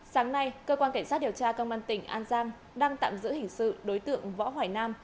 sáng nay cơ quan cảnh sát điều tra công an tỉnh an giang đang tạm giữ hình sự đối tượng võ hoài nam